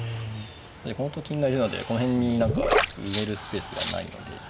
このと金がいるのでこの辺に何か埋めるスペースがないので。